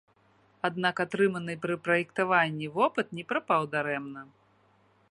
Аднак атрыманы пры праектаванні вопыт не прапаў дарэмна.